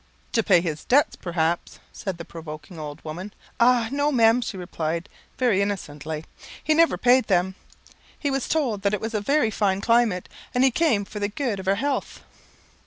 "To pay his debts, perhaps," said the provoking old woman. "Ah, no, ma'am," she replied, very innocently, "he never paid them. He was told that it was a very fine climate, and he came for the good of our health."